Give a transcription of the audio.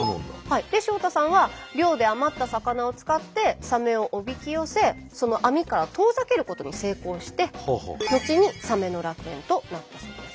で塩田さんは漁で余った魚を使ってサメをおびき寄せ網から遠ざけることに成功して後にサメの楽園となったそうです。